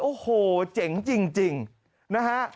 โอ้โหเจ๋งจริงนะฮะ